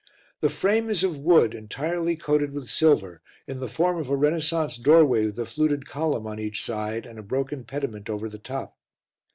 The frame is of wood entirely coated with silver, in the form of a Renaissance doorway with a fluted column on each side and a broken pediment over the top.